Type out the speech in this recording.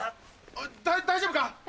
大丈夫か？